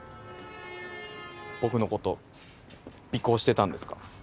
僕のこと尾行してたんですか？